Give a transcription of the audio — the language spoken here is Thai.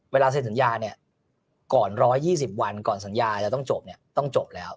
เวลาเซ็นสัญญาเนี่ยก่อน๑๒๐วันก่อนสัญญาจะต้องจบเนี่ยต้องจบแล้ว